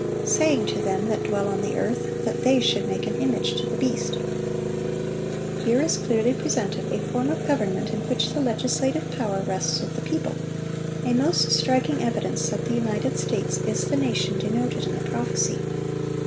"Saying to them that dwell on the earth, that they should make an image to the beast." Here is clearly presented a form of government in which the legislative power rests with the people; a most striking evidence that the United States is the nation denoted in the prophecy.